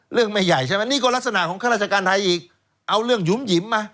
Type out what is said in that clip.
ไม่ใหญ่ใช่ไหมนี่ก็ลักษณะของข้าราชการไทยอีกเอาเรื่องหยุ่มหยิมมา